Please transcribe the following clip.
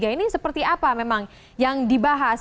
ini seperti apa memang yang dibahas